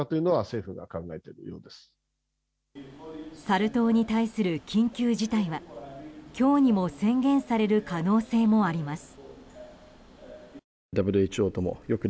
サル痘に対する緊急事態は今日にも宣言される可能性もあります。